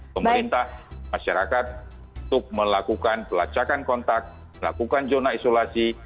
pemerintah masyarakat untuk melakukan pelacakan kontak melakukan zona isolasi